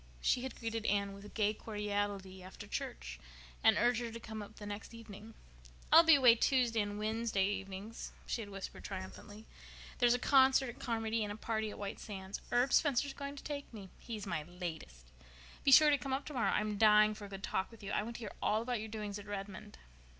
She had greeted Anne with gay cordiality after church, and urged her to come up the next evening. "I'll be away Tuesday and Wednesday evenings," she had whispered triumphantly. "There's a concert at Carmody and a party at White Sands. Herb Spencer's going to take me. He's my latest. Be sure to come up tomorrow. I'm dying for a good talk with you. I want to hear all about your doings at Redmond."